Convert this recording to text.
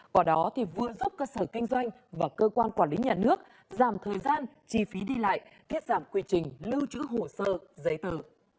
quả đó thì vừa giúp cơ sở kinh doanh và cơ quan quản lý nhà nước giảm thời gian chi phí đi lại thiết giảm quy trình lưu trữ hồ sơ giấy tờ